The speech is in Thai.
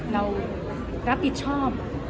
เรารับผิดชอบ